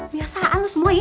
biasaan lu semua ya